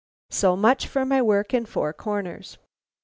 "So much for my work in Four Corners."